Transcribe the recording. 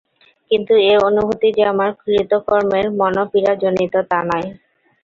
কিন্তু এ অনুভূতি যে আমার কৃতকর্মের মনোপীড়াজনিত, তা নয়।